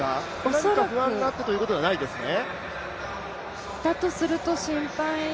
何か不安があってということではないですね？